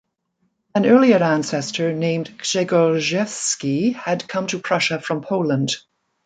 An earlier ancestor named Grzegorzewski had come to Prussia from Poland.